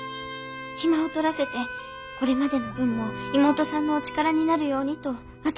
暇を取らせてこれまでの分も妹さんのお力になるようにと私。